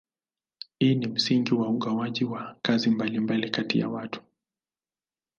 Hii ni msingi wa ugawaji wa kazi mbalimbali kati ya watu.